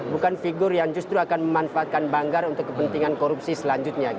bukan figur yang justru akan memanfaatkan banggar untuk kepentingan korupsi selanjutnya